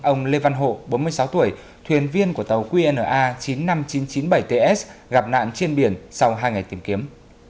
ông lê văn hộ bốn mươi sáu tuổi thuyền viên của tàu qna chín mươi năm nghìn chín trăm chín mươi bảy ts gặp nạn trên biển sau hai ngày tìm kiếm